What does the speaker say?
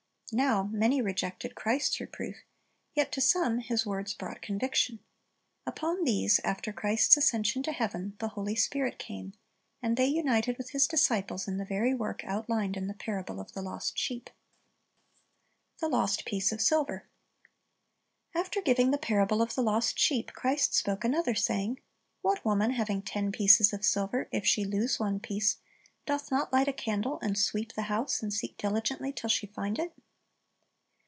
Now many rejected Christ's reproof; yet to some His words brought conviction. Upon these, after Christ's ascension to heaven, the Holy Spirit came, and they united with His disciples in the very work outlined in the parable of the lost sheep. THE LOST PIECE OF SILVER After giving the parable of the lost sheep, Christ spoke another, saying, "What woman having ten pieces of silver, if she lose one piece, doth not light a candle, and sweep the house, and seek diligently till she find it?"